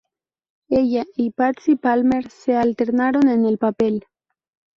Ella y Patsy Palmer se alternaron en el papel.